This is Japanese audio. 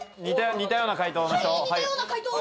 似たような解答。